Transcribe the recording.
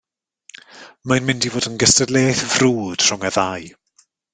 Mae'n mynd i fod yn gystadleuaeth frwd rhwng y ddau